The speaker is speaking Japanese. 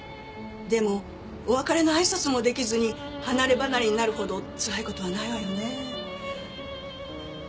でもお別れのあいさつも出来ずに離ればなれになるほどつらい事はないわよね。